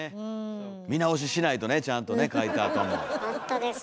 見直ししないとねちゃんとね書いたあとも。